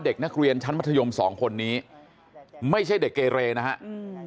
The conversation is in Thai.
เด็กนักเรียนชั้นมัธยมสองคนนี้ไม่ใช่เด็กเกเรนะฮะอืม